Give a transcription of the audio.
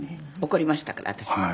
「怒りましたから私が」